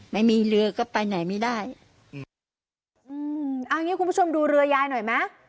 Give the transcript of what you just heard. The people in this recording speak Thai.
ไม่มีเรือก็ไปไหนไม่ได้อืมเอางี้คุณผู้ชมดูเรือยายหน่อยไหม